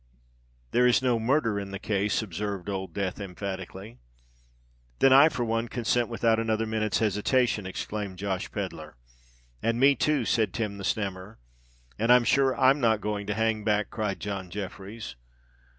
"There is no murder in the case," observed Old Death, emphatically. "Then I for one consent without another minute's hesitation," exclaimed Josh Pedler. "And me too," said Tim the Snammer. "And I'm sure I'm not going to hang back," cried John Jeffreys.